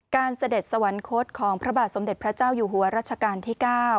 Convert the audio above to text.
เสด็จสวรรคตของพระบาทสมเด็จพระเจ้าอยู่หัวรัชกาลที่๙